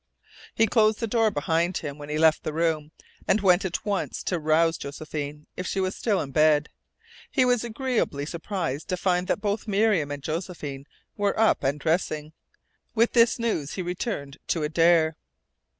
He closed the door behind him when he left the room, and he went at once to rouse Josephine if she was still in bed. He was agreeably surprised to find that both Miriam and Josephine were up and dressing. With this news he returned to Adare.